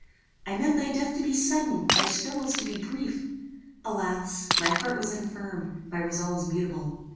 I meant thy death to be sudden, thy struggles to be brief. Alas! my heart was infirm; my resolves mutable.